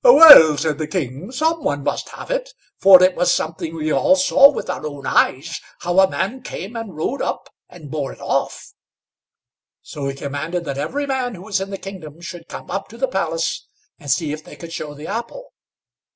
"Well," said the king, "some one must have it, for it was something we all saw with our own eyes, how a man came and rode up and bore it off." So he commanded that every man who was in the kingdom should come up to the palace and see if they could show the apple.